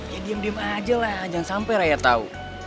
ya diam diam aja lah jangan sampai rayang tau